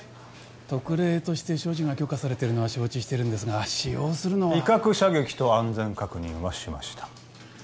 特例として所持が許可されてるのは承知してるんですが使用するのは威嚇射撃と安全確認はしました